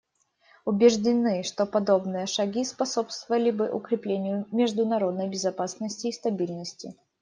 Убеждены, что подобные шаги способствовали бы укреплению международной безопасности и стабильности.